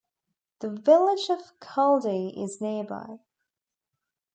The village of Caldy is nearby.